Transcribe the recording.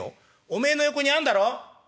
「お前の横にあんだろ？」。